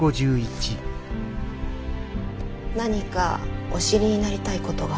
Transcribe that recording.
何かお知りになりたいことが。